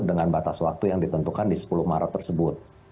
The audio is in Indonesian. dengan batas waktu yang ditentukan di sepuluh maret tersebut